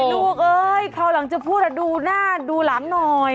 เอ้ยคราวหลังจะพูดดูหน้าดูหลังหน่อย